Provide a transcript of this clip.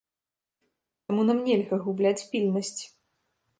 Таму нам нельга губляць пільнасць.